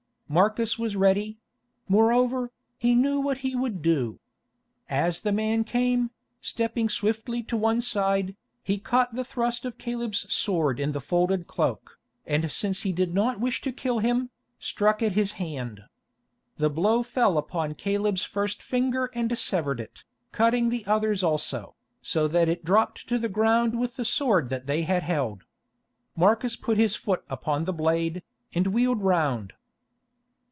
Marcus was ready; moreover, he knew what he would do. As the man came, stepping swiftly to one side, he caught the thrust of Caleb's sword in the folded cloak, and since he did not wish to kill him, struck at his hand. The blow fell upon Caleb's first finger and severed it, cutting the others also, so that it dropped to the ground with the sword that they had held. Marcus put his foot upon the blade, and wheeled round.